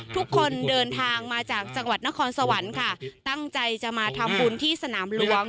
ทุกคนเดินทางมาจากจังหวัดนครสวรรค์ค่ะตั้งใจจะมาทำบุญที่สนามหลวง